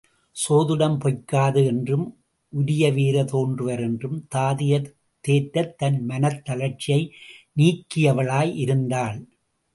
சோதிடம் பொய்க்காது என்றும், உரிய வீரர் தோன்றுவர் என்றும் தாதியர் தேற்றத் தன் மனத் தளர்ச்சி நீங்கியவளாய் இருந்தாள்.